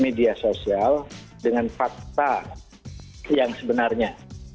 media sosial dengan fakta yang sebenarnya